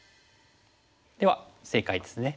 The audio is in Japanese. では正解ですね。